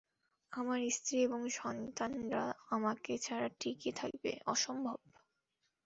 আমার স্ত্রী এবং সন্তানরা আমাকে ছাড়া টিকে থাকবে, - অসম্ভব।